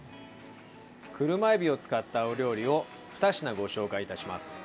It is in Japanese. クルマエビを使ったお料理を２品ご紹介いたします。